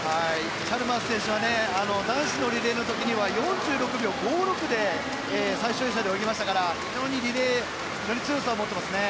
チャルマース選手は男子のリレーの時には４６秒５６で最終泳者で泳ぎましたから非常にリレーに強さを持っていますね。